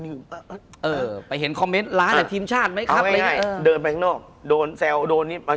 คุณผู้ชมบางท่าอาจจะไม่เข้าใจที่พิเตียร์สาร